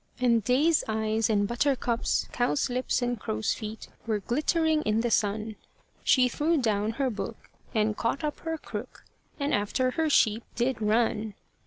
And day's eyes and butter cups, cow's lips and crow's feet Were glittering in the sun. She threw down her book, and caught up her crook, And after her sheep did run.